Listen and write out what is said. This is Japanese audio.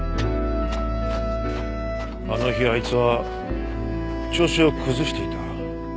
あの日あいつは調子を崩していた。